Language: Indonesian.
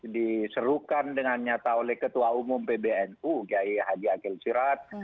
diserukan dengan nyata oleh ketua umum pbnu kiai haji akil sirat